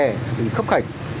thì khấp khạch